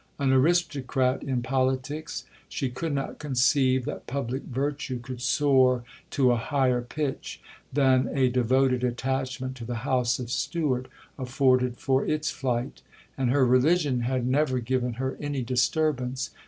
An aristocrat in politics, she could not conceive that public virtue could soar to a higher pitch than a devoted attachment to the house of Stuart afforded for its flight; and her religion had never given her any disturbance.